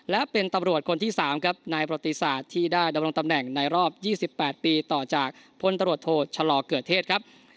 และเป็นตำรวจคนที่๓ครับในประติศาสตร์ที่ได้ดำรงตำแหน่งในรอบ๒๘ปีต่อจากพลตรวจโทษชะลอเกิดเทศครับ